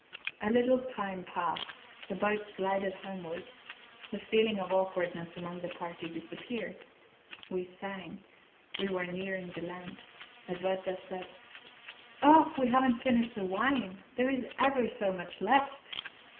A little time passed; the boats glided homeward; the feeling of awkwardness among the party disappeared; we sang; we were nearing the land. Edwarda said: "Oh, we haven't finished the wine: there is ever so much left.